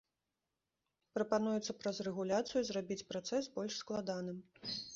Прапануецца праз рэгуляцыю зрабіць працэс больш складаным.